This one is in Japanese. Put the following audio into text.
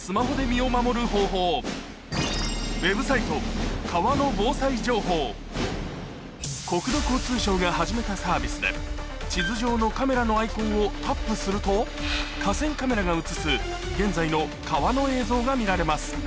ウェブサイト国土交通省が始めたサービスで地図上のカメラのアイコンをタップすると河川カメラが映す現在の川の映像が見られます